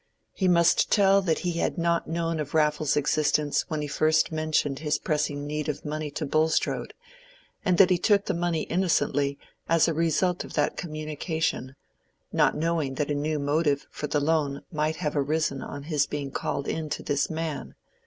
He must tell that he had not known of Raffles's existence when he first mentioned his pressing need of money to Bulstrode, and that he took the money innocently as a result of that communication, not knowing that a new motive for the loan might have arisen on his being called in to this man.